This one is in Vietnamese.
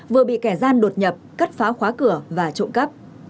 vừa bị kẻ gian đột nhập cắt phá khóa cửa và trộm cắp